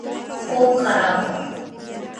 خوب خراب وو.